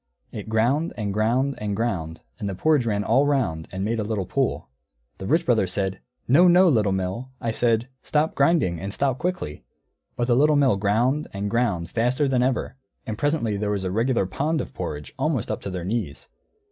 It ground, and ground, and ground, and the porridge ran all round and made a little pool. The Rich Brother said, "No, no, Little Mill, I said, 'Stop grinding, and stop quickly.'" But the Little Mill ground, and ground, faster than ever; and presently there was a regular pond of porridge, almost up to their knees.